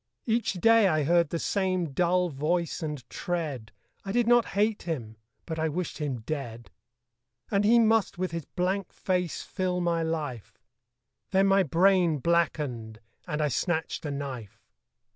Each day I heard the same dull voice and tread; I did not hate him: but I wished him dead. And he must with his blank face fill my life Then my brain blackened; and I snatched a knife.